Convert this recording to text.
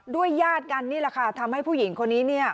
ญาติกันนี่แหละค่ะทำให้ผู้หญิงคนนี้เนี่ย